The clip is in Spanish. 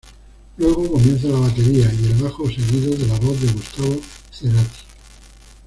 Luego comienza la batería y el bajo seguidos de la voz de Gustavo Cerati.